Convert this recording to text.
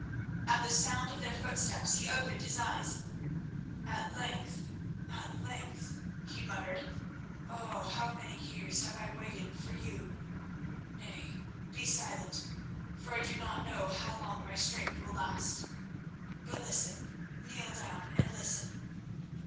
At the sound of their footsteps he opened his eyes. "At length, at length," he muttered. "Oh, how many years have I waited for you? Nay, be silent, for I do not know how long my strength will last, but listen—kneel down and listen."